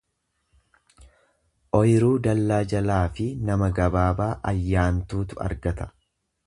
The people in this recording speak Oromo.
Oyruu dallaa jalaafi nama gabaabaa ayyaantuutu argata.